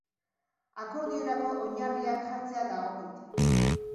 Akordiorako oinarriak jartzea dagokit.